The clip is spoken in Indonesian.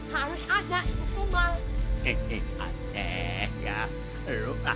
harus ada itu tumbal